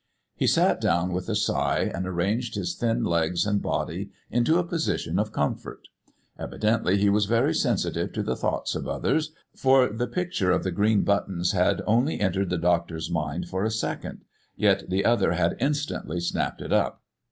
He sat down with a sigh and arranged his thin legs and body into a position of comfort. Evidently he was very sensitive to the thoughts of others, for the picture of the green buttons had only entered the doctor's mind for a second, yet the other had instantly snapped it up.